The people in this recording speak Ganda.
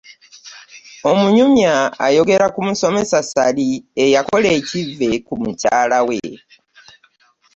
Omunyumya ayogera ku musomesa Ssali eyakola ekivve ku mukyale we.